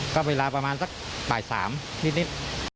ก็เวลาประมาณสักบ่ายสามนิดนิด